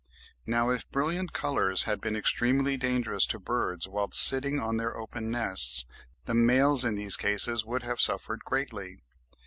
Now if brilliant colours had been extremely dangerous to birds whilst sitting on their open nests, the males in these cases would have suffered greatly.